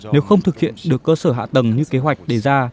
nếu không thực hiện được cơ sở hạ tầng như kế hoạch đề ra